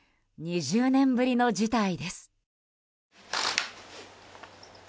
２０年ぶりの事態です。